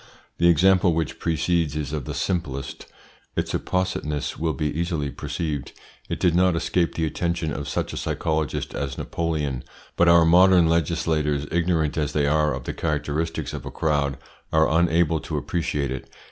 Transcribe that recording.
The example which precedes is of the simplest. Its appositeness will be easily perceived. It did not escape the attention of such a psychologist as Napoleon, but our modern legislators, ignorant as they are of the characteristics of a crowd, are unable to appreciate it.